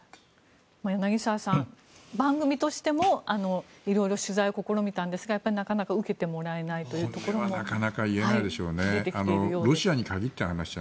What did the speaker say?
柳澤さん、番組としても色々取材を試みたんですがやっぱりなかなか受けてもらえないところも増えてきているようです。